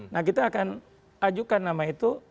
nah kita akan ajukan nama itu